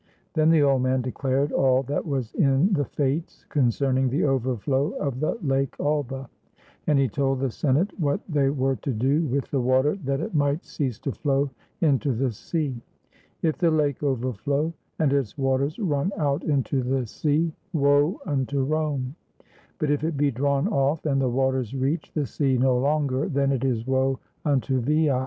Then the old man declared all that was in the Fates concerning the overflow of the lake Alba; and he told the Senate what they were to do with the water that it might cease to flow into the sea: "If the lake overflow, and its waters run out into the sea, woe unto Rome ; but if it be drawn off, and the waters reach the sea no longer, then it is woe unto Veii."